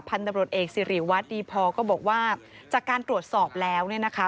ตำรวจเอกสิริวัตรดีพอก็บอกว่าจากการตรวจสอบแล้วเนี่ยนะคะ